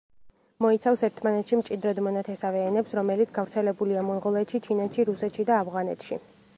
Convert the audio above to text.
მოიცავს ერთმანეთში მჭიდროდ მონათესავე ენებს, რომელიც გავრცელებულია მონღოლეთში, ჩინეთში, რუსეთში და ავღანეთში.